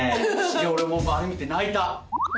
俺もあれ見て泣いた。